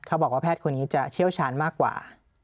เขาบอกว่าแพทย์คนนี้จะเชี่ยวชาญมากกว่า